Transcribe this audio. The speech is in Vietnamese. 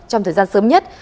trong thời gian sớm nhất